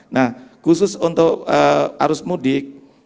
nah khusus untuk arus mudik